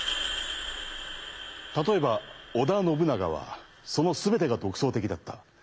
例えば織田信長はその全てが独創的だった。